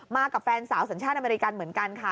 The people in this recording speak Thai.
กับแฟนสาวสัญชาติอเมริกันเหมือนกันค่ะ